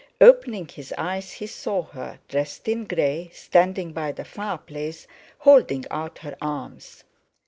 Opening his eyes he saw her, dressed in grey, standing by the fireplace, holding out her arms.